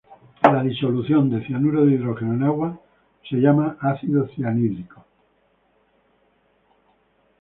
La disolución de cianuro de hidrógeno en agua es llamada ácido cianhídrico.